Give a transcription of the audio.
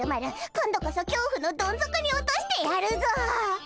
今度こそ恐怖のどん底に落としてやるぞ！